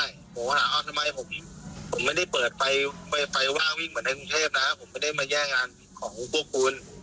ยังไม่น่าเปิดไฟว่าเงินไม่ได้แย่งงานของพวกคุณ